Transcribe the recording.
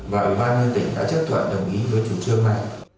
và ủy ban nhân tỉnh đã chấp thuận đồng ý với chủ trương này